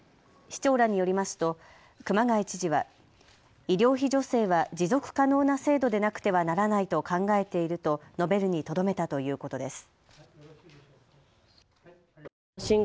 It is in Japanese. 市長らによりますと熊谷知事は医療費助成は持続可能な制度でなくてはならないと考えていると述べるにとどめたということです。